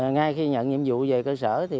ngay khi nhận nhiệm vụ về cơ sở